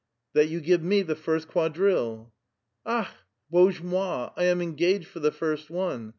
" That you give me the first quadrille." *' AJi'h ! Bozhe mo'i! I am engaged for the first one